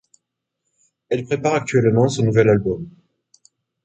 Elle prépare actuellement son nouvel album.